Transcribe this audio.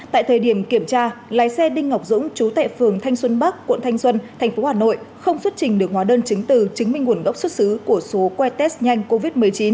tại thời điểm kiểm tra lái xe đinh ngọc dũng trú tại phường thanh xuân bắc quận thanh xuân thành phố hà nội không xuất trình được hóa đơn chứng tử chứng minh nguồn gốc xuất xứ của số que test nhanh covid một mươi chín